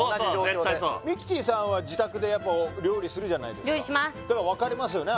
そうそう絶対そうミキティさんは自宅でやっぱ料理するじゃないですか料理しますだから分かりますよね